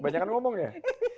kebanyakan ngomong ya